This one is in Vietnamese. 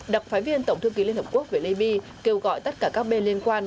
đặc phái viên tổng thư ký liên hợp quốc về liby kêu gọi tất cả các bên liên quan